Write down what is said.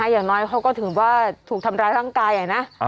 อย่างน้อยเขาก็ถือว่าถูกทำร้ายร่างกายนะ